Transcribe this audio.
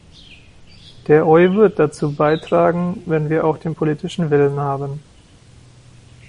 Der Euwird dazu beitragen, wenn wir auch den politischen Willen haben.